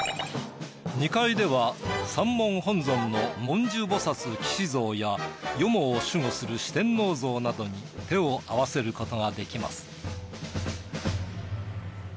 ２階では山門本尊の文殊菩薩騎獅像や四方を守護する四天王像などに手を合わせることができます。